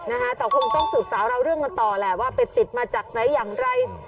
นะคะแต่คงต้องสืบสาวเราเรื่องกันต่อแหละว่าไปติดมาจากไหนอย่างไร